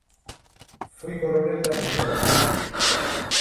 Foi coronel de artillaría.